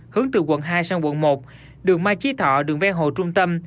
hướng từ quận hai sang quận một đường mai chí thọ đường ven hồ trung tâm